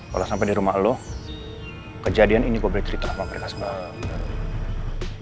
kalo sampe di rumah lo kejadian ini gue beritah sama mereka sebab